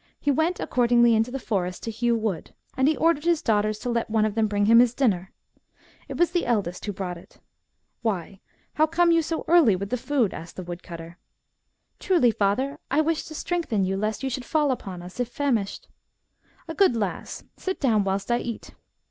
" He went accordingly into the forest to hew wood, and he ordered his daughters to let»one of them bring him his dinner. It was the eldest who brought it. "* Why, how come you so early with the food ?' asked the woodcutter. "' Truly, father, I wished to strengthen you, lest you should fall upon us, if famished !'"* A good lass ! Sit down whilst I eat.'